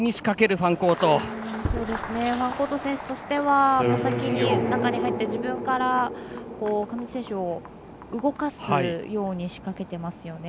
ファンコート選手としては先に中に入って自分から上地選手を動かすように仕掛けていますよね。